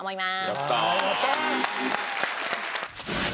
やったー。